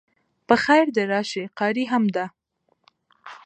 په خیر د راشی قاری هم ده